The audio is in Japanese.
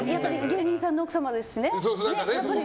芸人さんの奥さまですしね。